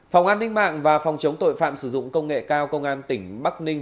phòng an ninh mạng và phòng chống tội phạm sử dụng công nghệ cao công an tỉnh bắc ninh